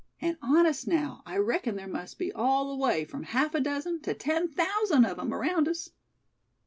And honest now, I reckon there must be all the way from half a dozen to ten thousand of 'em around us."